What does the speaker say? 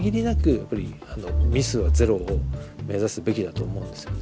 やっぱりミスはゼロを目指すべきだと思うんですよね。